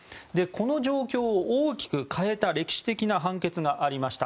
この状況を大きく変えた歴史的な判決があります。